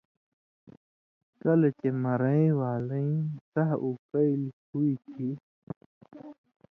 کلہۡ چے مرَیں والَیں سہہۡ اُکئیلیۡ ہُوئ تھی